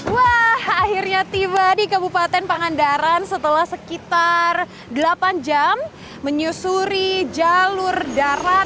wah akhirnya tiba di kabupaten pangandaran setelah sekitar delapan jam menyusuri jalur darat